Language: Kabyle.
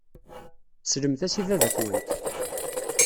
Slemt-as i baba-twent.